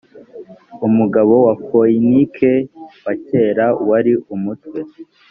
umugabo wa foyinike wa kera wari umutwe